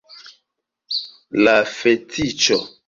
La fetiĉo!